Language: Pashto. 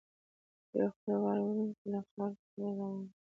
یو خروار وړونکی له خره سره روان و.